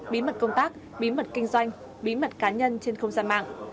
bí mật công tác bí mật kinh doanh bí mật cá nhân trên không gian mạng